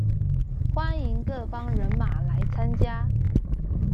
歡迎各方人馬來參加